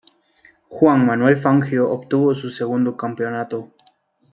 Juan Manuel Fangio obtuvo su segundo campeonato.